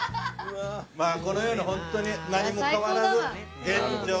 まあこのようにホントに何も変わらず現状。